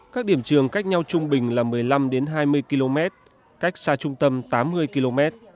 các điểm trường cách nhau trung bình là một mươi năm hai mươi km cách xa trung tâm tám mươi km